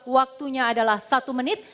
waktunya adalah satu menit